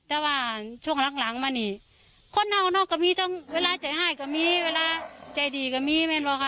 แต่ว่าช่วงรักหลังมันนี่คนออกนอกกับมีเวลาใจหายกับมีเวลาใจดีกับมี